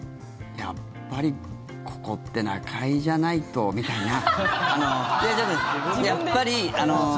やっぱりここって中居じゃないとみたいな。